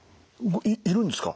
いるんですか？